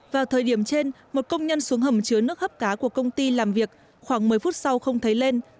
vào thời điểm trên một công nhân xuống hầm chứa nước hấp cá của công ty làm việc khoảng một mươi phút sau không thấy lên